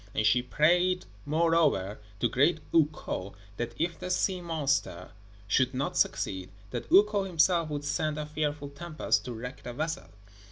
And she prayed, moreover, to great Ukko that if the sea monster should not succeed, that Ukko himself would send a fearful tempest to wreck the vessel.